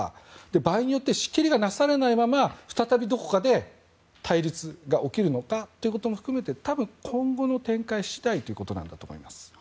場合によって仕切りがなされないまま再びどこかで対立が起きるのかということも含めて多分、今後の展開次第ということなんだと思います。